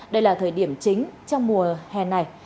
đây là thời điểm chính trong mùa hè này